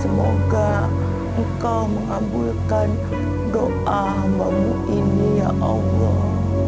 semoga engkau mengabulkan doa mbak bu ini ya allah